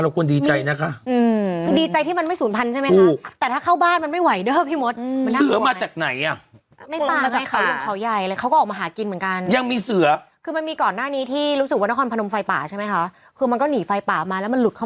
ลทศึกษึกเหลือก็มีมาเหมือนกันนะคะ